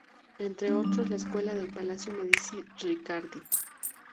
Entre otros la escalera del Palacio Medici Riccardi.